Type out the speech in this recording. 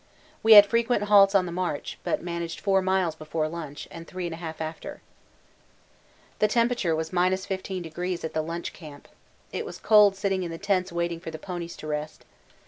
We had frequent halts on the march, but managed 4 miles before lunch and 3 1/2 after. The temperature was 15° at the lunch camp. It was cold sitting in the tent waiting for the ponies to rest.